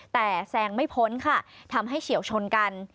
แต่แซงไม่พ้นค่ะทำให้เฉียวชนกัน